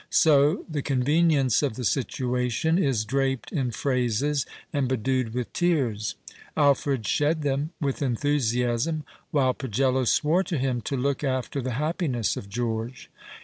So the convenience of the situation is draped in phrases and bedewed with tears. Alfred shed tlurn with enthusiasm, while Pagello swore to him to look alter the happiness of George.